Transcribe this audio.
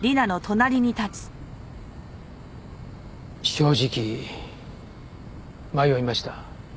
正直迷いました。